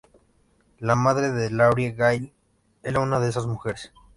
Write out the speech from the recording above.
La madre de Laurie, Gail, era una de esas mujeres.